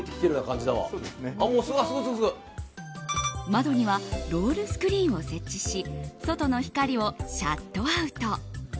窓にはロールスクリーンを設置し外の光をシャットアウト。